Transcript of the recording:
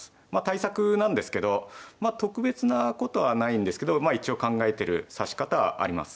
対策なんですけど特別なことはないんですけどまあ一応考えてる指し方はあります。